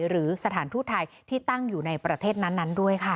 หรือสถานทูตไทยที่ตั้งอยู่ในประเทศนั้นด้วยค่ะ